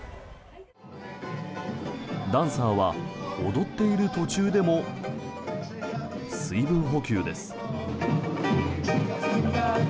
ダンサーは踊っている途中でも水分補給です。